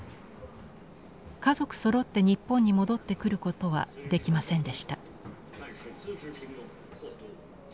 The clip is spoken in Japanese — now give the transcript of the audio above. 家族そろって日本に戻ってくることはできませんでした。